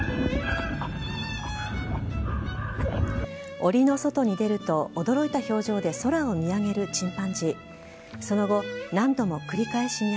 おりの外に出ると驚いた表情で空を見上げるこんにちは！